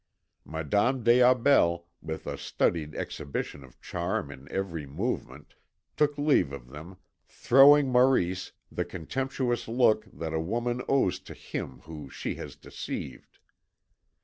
Madame des Aubels, with a studied exhibition of charm in every movement, took leave of them, throwing Maurice the contemptuous look that a woman owes to him whom she has deceived.